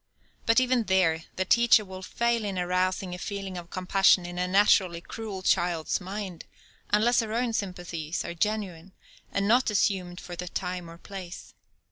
But even there the teacher will fail in arousing a feeling of compassion in a naturally cruel child's mind, unless her own sympathies are genuine, and not assumed for the time or place.